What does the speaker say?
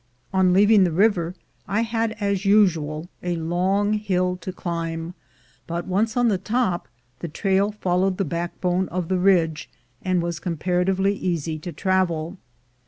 On leaving the river, I had as usual a long hill to climb, but once on the top, the trail followed the backbone of the ridge, and was comparatively easy to travel.